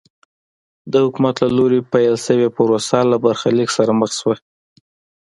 د حکومت له لوري پیل شوې پروسه له برخلیک سره مخ شوه.